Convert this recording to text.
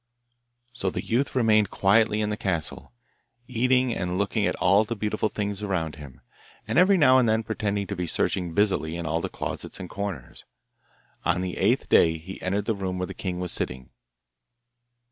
So the youth remained quietly in the castle, eating and looking at all the beautiful things around him, and every now and then pretending to be searching busily in all the closets and corners. On the eighth day he entered the room where the king was sitting.